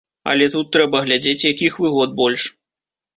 Але тут трэба глядзець, якіх выгод больш.